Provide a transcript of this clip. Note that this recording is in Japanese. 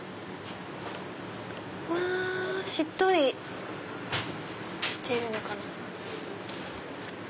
しっとりしてるのかな。